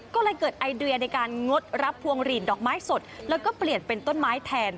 ก็เลยเกิดไอเดียในการงดรับพวงหลีดดอกไม้สดแล้วก็เปลี่ยนเป็นต้นไม้แทน